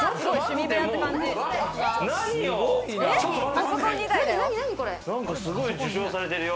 なんかすごい受賞されてるよ。